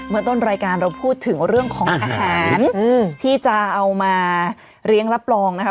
ต้นรายการเราพูดถึงเรื่องของอาหารที่จะเอามาเลี้ยงรับรองนะคะ